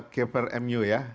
keeper mu ya